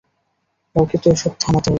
কাউকে তো এসব থামাতে হবে।